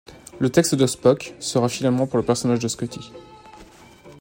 Le texte de Spock sera finalement pour le personnage de Scotty.